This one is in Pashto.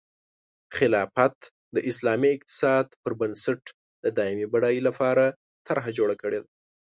خلافت د اسلامي اقتصاد په بنسټ د دایمي بډایۍ لپاره طرحه جوړه کړې ده.